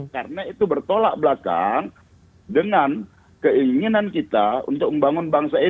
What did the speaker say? karena itu bertolak belakang dengan keinginan kita untuk membangun bangsa